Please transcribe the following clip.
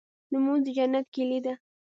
لمونځ د جنت کيلي ده.